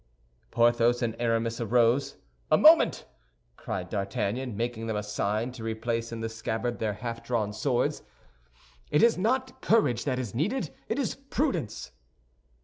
Porthos and Aramis arose. "A moment," cried D'Artagnan, making them a sign to replace in the scabbard their half drawn swords. "It is not courage that is needed; it is prudence."